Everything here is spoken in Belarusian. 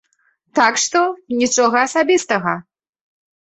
Так што нічога асабістага.